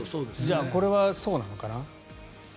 じゃあこれはそうなのかな。